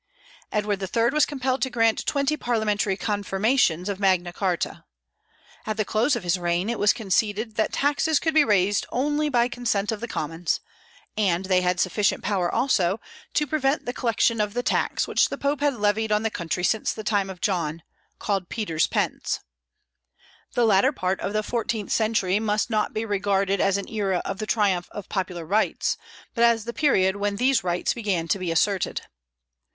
Edward III. was compelled to grant twenty parliamentary confirmations of Magna Charta. At the close of his reign, it was conceded that taxes could be raised only by consent of the Commons; and they had sufficient power, also, to prevent the collection of the tax which the Pope had levied on the country since the time of John, called Peter's Pence. The latter part of the fourteenth century must not be regarded as an era of the triumph of popular rights, but as the period when these rights began to be asserted.